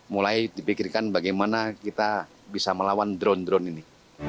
mulai dipikirkan bagaimana kita bisa melawan drone drone ini